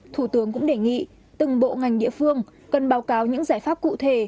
thủ tướng cũng đề nghị từng bộ ngành địa phương cần báo cáo những giải pháp cụ thể